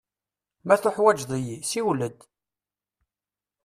Ma teḥwaǧeḍ-iyi, siwel-d.